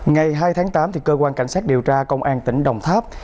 ngày hai tháng tám cơ quan cảnh sát điều tra công an tỉnh đồng tháp